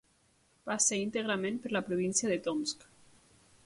Passa íntegrament per la província de Tomsk.